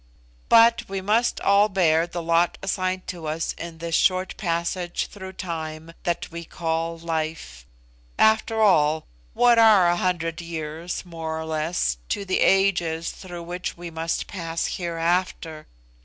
But we must all bear the lot assigned to us in this short passage through time that we call life. After all, what are a hundred years, more or less, to the ages through which we must pass hereafter?